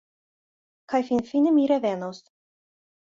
Kaj finfine mi revenos.